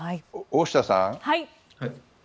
大下さん